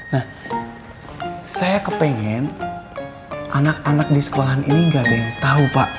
nah saya kepengen anak anak di sekolahan ini gak ada yang tahu pak